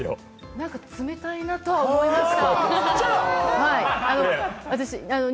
なんか冷たいなとは思いました。